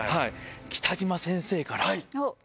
北島先生から。